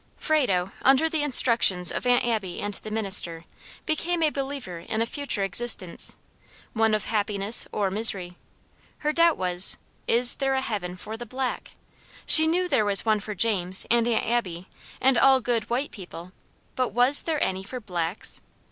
Frado, under the instructions of Aunt Abby and the minister, became a believer in a future existence one of happiness or misery. Her doubt was, IS there a heaven for the black? She knew there was one for James, and Aunt Abby, and all good white people; but was there any for blacks?